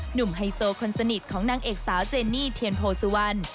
ไฮโซคนสนิทของนางเอกสาวเจนี่เทียนโพสุวรรณ